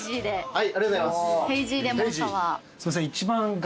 はい。